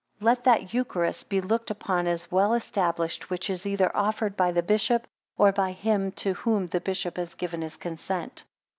3 Let that eucharist be looked upon as well established, which is either offered by the bishop, or by him to whom the bishop has given. his consent.